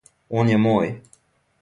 Он је мој.